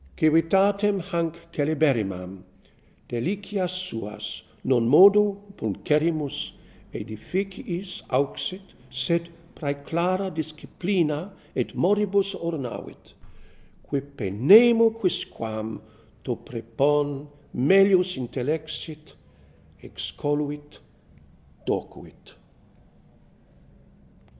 CIVITATEM hanc celeberrimam, Delicias suas, Non modo pulcherrimis sedificiis auxit, Sed prseclara disciplina et moribus ornavit : Quippe nemo quisquam To PKEPON melius intellexit, excoluit, docuit.